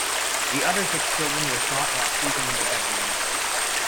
The other six children were shot while sleeping in their bedrooms.